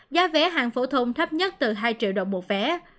giá vé hàng phổ thông thấp nhất từ hai triệu đồng một vé